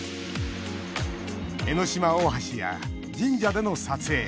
江ノ島大橋や神社での撮影。